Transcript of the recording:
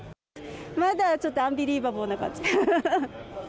まだちょっとアンビリーバボーな感じ。